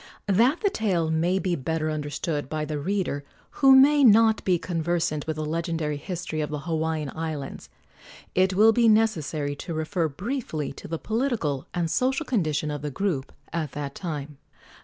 That the tale may be better understood by the reader who may not be conversant with the legendary history of the Hawaiian Islands, it will be necessary to refer briefly to the political and social condition of the group at that time.